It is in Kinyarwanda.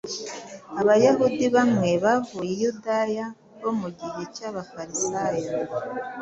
Abayahudi bamwe bavuye i Yudaya “bo mu gice cy’Abafarisayo